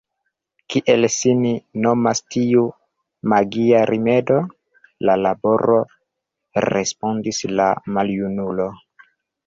Kiel sin nomas tiu magia rimedo? La laboro, respondis la maljunulo.